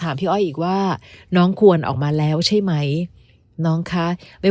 พี่อ้อยอีกว่าน้องควรออกมาแล้วใช่ไหมน้องคะไม่